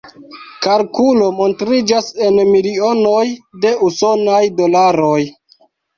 Kalkulo montriĝas en milionoj de usonaj dolaroj.